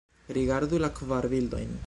Rigardu la kvar bildojn.